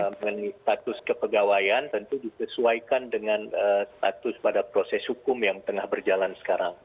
mengenai status kepegawaian tentu disesuaikan dengan status pada proses hukum yang tengah berjalan sekarang